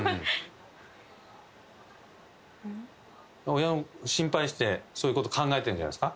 親心配してそういうこと考えてんじゃないですか？